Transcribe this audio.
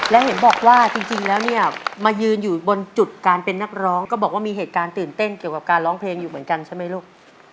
และเห็นบอกว่าจริงแล้วเนี่ยมายืนอยู่บนจุดการเป็นนักร้องก็บอกว่ามีเหตุการณ์ตื่นเต้นเกี่ยวกับการร้องเพลงอยู่เหมือนกันใช่ไหมลูก